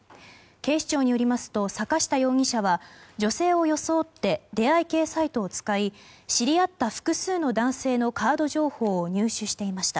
警視庁によりますと坂下容疑者は、女性を装って出会い系サイトを使い知り合った複数の男性のカード情報を入手していました。